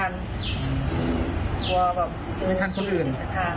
ไม่ทันคนอื่น